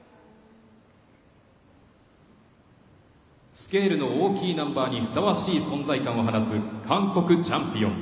スケールの大きいナンバーにふさわしい存在感を放つ、韓国チャンピオン。